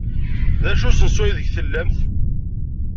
D acu n usensu aydeg tellamt?